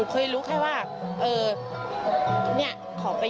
โปรดติดตามต่อไป